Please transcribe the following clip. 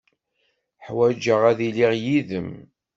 Ḥwajeɣ ad iliɣ yid-m.